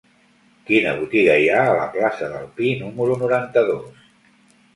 Quina botiga hi ha a la plaça del Pi número noranta-dos?